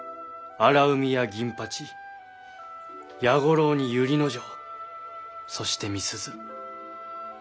荒海や銀八弥五郎に由利之丞そして美鈴。